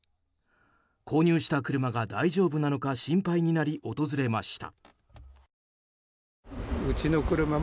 購入した車が大丈夫なのか心配になり訪れました。